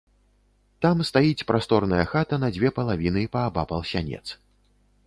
Там стаіць прасторная хата на дзве палавіны паабапал сянец.